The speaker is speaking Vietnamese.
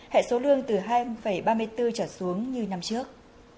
hệ số lương từ hai ba mươi bốn trở xuống như năm trước